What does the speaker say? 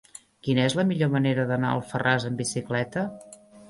Quina és la millor manera d'anar a Alfarràs amb bicicleta?